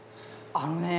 あのね。